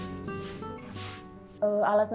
untuk melakukan konservasi lutung jawa